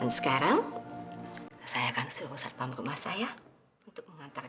dan sekarang saya akan suruh satpam rumah saya untuk mengantarkan